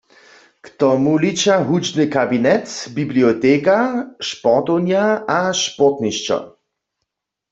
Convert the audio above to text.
K tomu liča hudźbny kabinet, biblioteka, sportownja a sportnišćo.